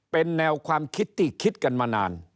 เป็นแนวความคิดที่คิดกันมานาน